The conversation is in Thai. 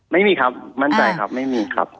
ไม่มีครับมั่นใจครับไม่มีครับ